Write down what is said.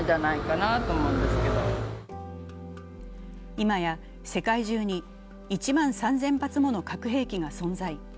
今や世界中に１万３０００発もの核兵器が存在。